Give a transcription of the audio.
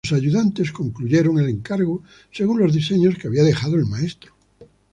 Sus ayudantes concluyeron el encargo, según los diseños que había dejado el maestro.